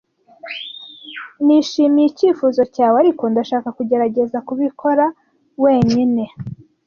Nishimiye icyifuzo cyawe, ariko ndashaka kugerageza kubikora wenyine.